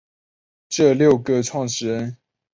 这六个创始人至今仍是公司的主要拥有者。